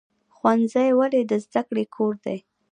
ښوونځی ولې د زده کړې کور دی؟